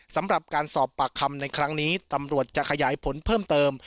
สำหรับการสอบปากคำในครั้งนี้ตำรวจจะขยายผลเพิ่มเติม